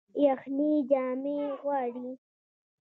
یخني جامې غواړي